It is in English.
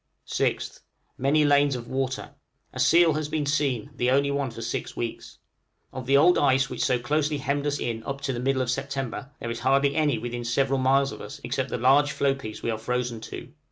6th. Many lanes of water. A seal has been seen, the only one for six weeks. Of the old ice which so closely hemmed us in up to the middle of September, there is hardly any within several miles of us except the large floe piece we are frozen to.